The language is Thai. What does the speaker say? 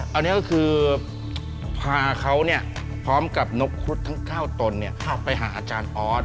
อันนี้ก็คือพาเขาเนี่ยพร้อมกับนกครุฑทั้งข้าวตนเนี่ยไปหาอาจารย์ออส